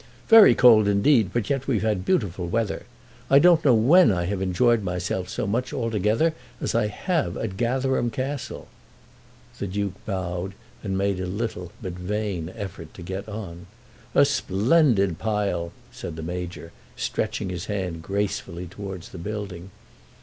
"Very cold, indeed, but yet we've had beautiful weather. I don't know when I have enjoyed myself so much altogether as I have at Gatherum Castle." The Duke bowed, and made a little but a vain effort to get on. "A splendid pile!" said the Major, stretching his hand gracefully towards the building.